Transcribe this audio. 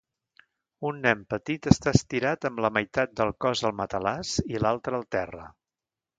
Un nen petit està estirat amb la meitat del cos al matalàs i l'altra al terra.